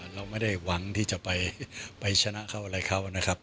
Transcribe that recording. เราไม่ได้หวังที่จะไปชนะเขาอะไรเขานะครับ